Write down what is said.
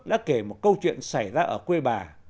đã kể một câu chuyện xảy ra ở quê bà